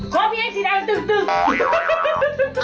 โกบอย่างนี้สินะตึก